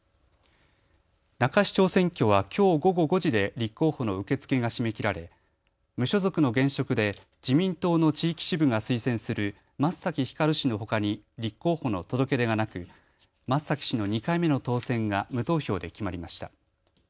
那珂市長選挙はきょう午後５時で立候補の受け付けが締め切られ無所属の現職で自民党の地域支部が推薦する先崎光氏のほかに立候補の届け出がなく先崎氏の２回目の当選が無投票で決まりました。